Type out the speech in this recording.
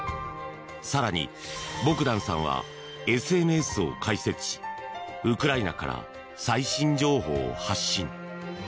更に、ボグダンさんはＳＮＳを開設しウクライナから最新情報を発信。